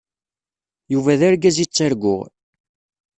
Yuba d argaz i ttarguɣ.